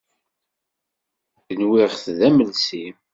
Nwiɣ-t d amelsi.